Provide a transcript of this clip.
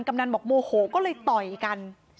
กนันบอกโมโหก็เลยต่อยกัน